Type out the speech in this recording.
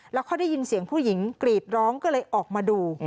แล้วเขาได้ยินเสียงผู้หญิงกรีดร้องก็เลยออกมาดู